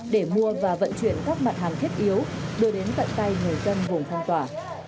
để mua và vận chuyển các mặt hàng thiết yếu đưa đến tận tay người dân vùng phong tỏa